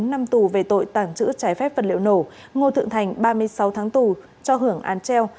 bốn năm tù về tội tàng trữ trái phép vật liệu nổ ngô thượng thành ba mươi sáu tháng tù cho hưởng án treo